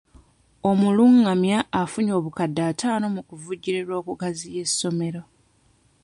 Omulungamya afunye obukadde ataano mu kuvujjirirwa okugaziya essomero.